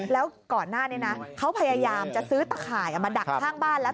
แล้วก่อนหน้านี้นะเขาพยายามจะซื้อตะข่ายมาดักข้างบ้านแล้ว